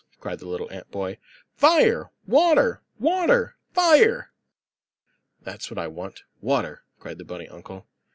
cried the little ant boy. "Fire! Water! Water! Fire!" "That's what I want water," cried the bunny uncle.